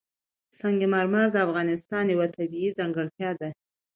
سنگ مرمر د افغانستان یوه طبیعي ځانګړتیا ده.